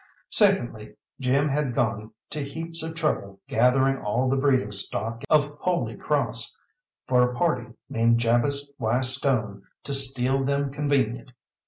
Secondly, Jim had gone to heaps of trouble gathering all the breeding stock of Holy Cross, for a party named Jabez Y. Stone to steal them convenient.